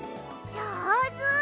じょうず！